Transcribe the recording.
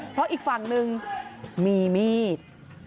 เพราะอีกฝั่งนึงมีมีด